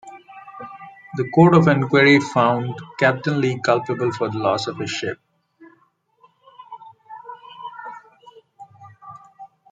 The Court of Enquiry found Captain Lee culpable for the loss of his ship.